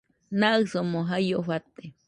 Naɨsomo jaio fate